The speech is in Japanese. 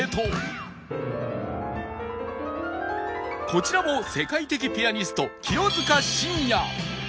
こちらも世界的ピアニスト清塚信也